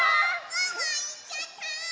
ワンワンいっちゃった！